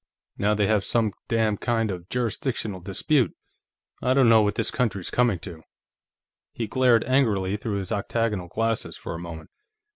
Now they have some damn kind of a jurisdictional dispute.... I don't know what this country's coming to!" He glared angrily through his octagonal glasses for a moment.